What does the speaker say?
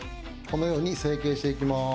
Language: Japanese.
このように成形していきます。